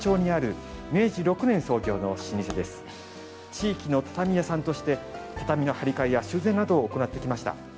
地域の畳屋さんとして畳の張り替えや修繕などを行ってきました。